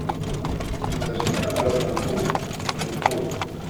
Il s’agit bien alors d’un faux, d’une fraude.